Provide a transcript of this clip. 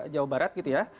jawa barat gitu ya